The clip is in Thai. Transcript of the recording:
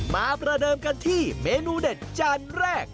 ประเดิมกันที่เมนูเด็ดจานแรก